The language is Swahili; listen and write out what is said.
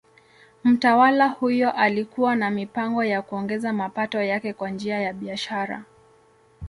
Mtawala huyo alikuwa na mipango ya kuongeza mapato yake kwa njia ya biashara.